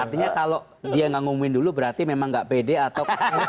artinya kalau dia nggak ngomongin dulu berarti memang nggak pede atau